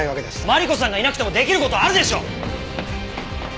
マリコさんがいなくても出来る事あるでしょ！